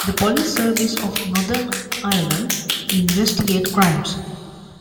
The Police Service of Northern Ireland investigate crimes.